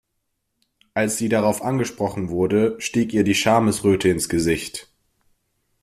Als sie darauf angesprochen wurde, stieg ihr die Schamesröte ins Gesicht.